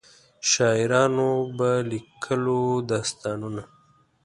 شاعرانو به لیکلو داستانونه.